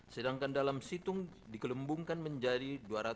sedangkan dalam situng dikelembungkan menjadi